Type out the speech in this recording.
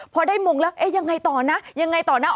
พอได้มงแล้วอย่างไรต่อนะอย่างไรต่อนะ